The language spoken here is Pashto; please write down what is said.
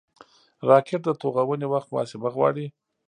راکټ د توغونې وخت محاسبه غواړي